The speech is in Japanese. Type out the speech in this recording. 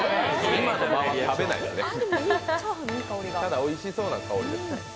ただ、おいしそうな香りが。